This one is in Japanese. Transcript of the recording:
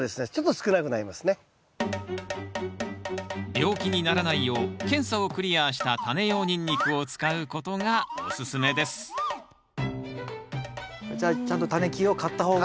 病気にならないよう検査をクリアしたタネ用ニンニクを使うことがおすすめですじゃあちゃんとタネ球を買った方が。